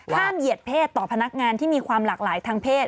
เหยียดเพศต่อพนักงานที่มีความหลากหลายทางเพศ